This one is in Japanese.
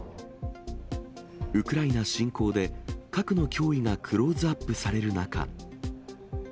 ウクライナ侵攻で、核の脅威がクローズアップされる中。